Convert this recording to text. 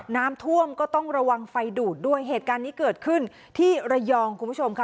น้ำท่วมก็ต้องระวังไฟดูดด้วยเหตุการณ์นี้เกิดขึ้นที่ระยองคุณผู้ชมค่ะ